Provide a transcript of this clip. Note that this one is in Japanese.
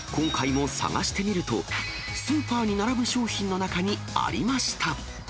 今回も探してみると、スーパーに並ぶ商品の中にありました。